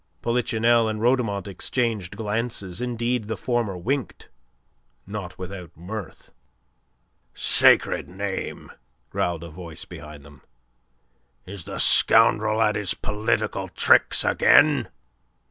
Polichinelle and Rhodomont exchanged glances: indeed, the former winked, not without mirth. "Sacred name!" growled a voice behind them. "Is the scoundrel at his political tricks again?"